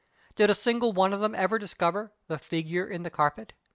Did a single one of them ever discover " the figure in the carpet